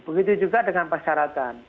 begitu juga dengan persyaratan